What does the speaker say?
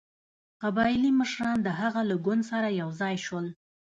قبایلي مشران د هغه له ګوند سره یو ځای شول.